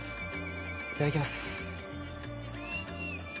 いただきます。